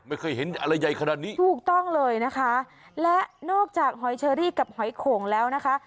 ไม่เคยเห็นอะไรใหญ่ขนาดนี้ถูกต้องเลยนะคะและนอกจากหอยเชอรี่กับหอยโขงแล้วนะคะ